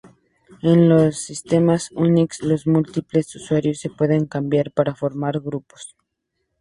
En los sistemas Unix, los múltiples usuarios se pueden combinar para formar "grupos".